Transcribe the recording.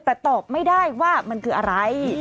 แต่ตอบไม่ได้ว่ามันคืออะไร